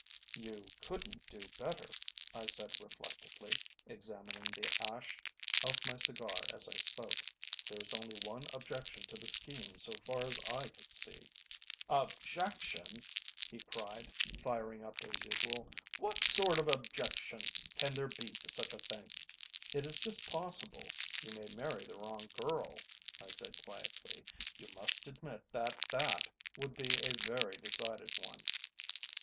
"You couldn't do better," I said reflectively, examining the ash of my cigar as I spoke. "There is only one objection to the scheme so far as I can see." "Objection?" he cried, firing up as usual. "What sort of objection can there be to such a thing?" "It is just possible you may marry the wrong girl," I said quietly. "You must admit that that would be a very decided one."